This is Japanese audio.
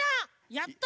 やった！